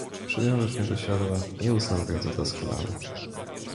- Przywiążesz mnie do siodła i usnę w drodze doskonale.